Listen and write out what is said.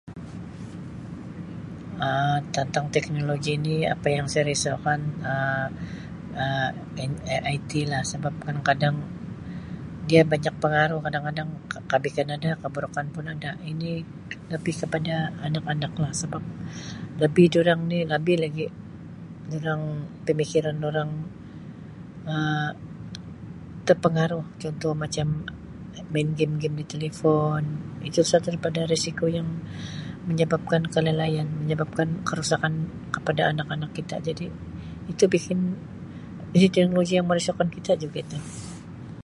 Um Tantang teknologi ni apa yang saya risaukan Um in-e-IT lah sebab kadang-kadang dia banyak pengaruh kadang-kadang kabaikan ada, keburukan pun ada. Ini lebih kepada anak-anak lah sebab lebih durang ni labih lagi durang-pemikiran durang Um terpengaruh contoh macam main game-game di telefon itu [unintelligible] risiko yang menyebabkan kelalaian , menyebabkan kerosakan kepada anak-anak kita jadi itu bikin teknologi yang merisaukan kita juga itu.